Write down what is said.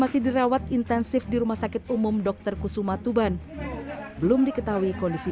masih dirawat intensif di rumah sakit umum dokter kusuma tuban belum diketahui kondisi